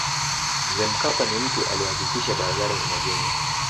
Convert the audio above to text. mzee mkapa ni mtu alihakikisha barabara zinajengwa